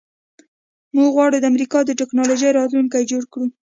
موږ غواړو د امریکا د ټیکنالوژۍ راتلونکی جوړ کړو